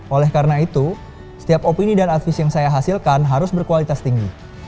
oleh karena itu setiap opini dan advis yang saya hasilkan harus berkualitas tinggi